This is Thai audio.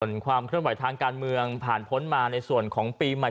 ส่วนความเคลื่อนไหวทางการเมืองผ่านพ้นมาในส่วนของปีใหม่